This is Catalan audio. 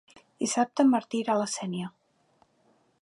Dissabte en Martí irà a la Sénia.